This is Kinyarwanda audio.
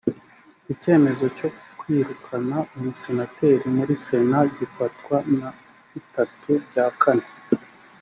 icyemezo cyo kwirukana umusenateri muri sena gifatwa na bitatu bya kane